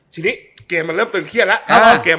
ทีนี้เกมมันเริ่มตึงเครียดแล้วเกม